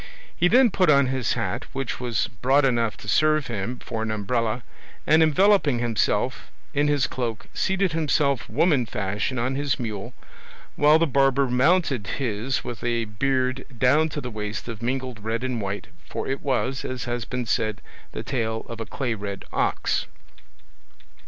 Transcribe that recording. He then put on his hat, which was broad enough to serve him for an umbrella, and enveloping himself in his cloak seated himself woman fashion on his mule, while the barber mounted his with a beard down to the waist of mingled red and white, for it was, as has been said, the tail of a clay red ox.